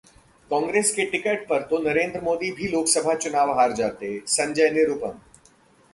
कांग्रेस के टिकट पर तो नरेंद्र मोदी भी लोकसभा चुनाव हार जाते: संजय निरुपम